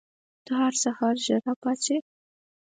ته هر سهار ژر راپاڅې؟